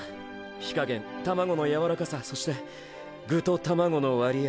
火加減卵のやわらかさそして具と卵の割合